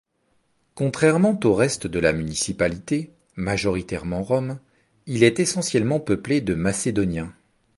Contrairement au reste de la municipalité, majoritairement rom, il est essentiellement peuplé de Macédoniens.